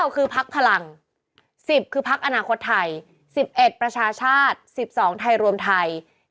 คือพักพลัง๑๐คือพักอนาคตไทย๑๑ประชาชาติ๑๒ไทยรวมไทย